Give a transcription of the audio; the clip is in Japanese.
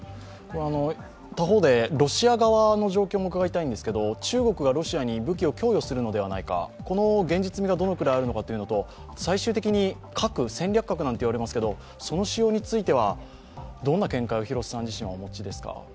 他方でロシア側の状況も伺いたいんですが、中国がロシアに武器を供与するのではないかこの現実味がどのくらいあるのかということと、最終的に核、戦略核などと言われますがその使用については、どんな見解を廣瀬さん自身はお持ちですか？